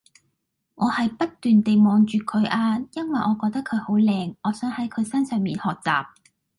我係不斷地望住佢啊因為我覺得佢好靚，我想喺佢身上面學習